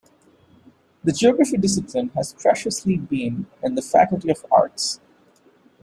The geography discipline has preciously been in the Faculty of Arts.